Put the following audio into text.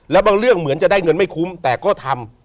แล้วบางเรื่องเหมือนจะได้เงินไม่คุ้มแต่ก็ทำ